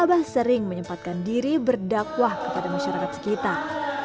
abah sering menyempatkan diri berdakwah kepada masyarakat sekitar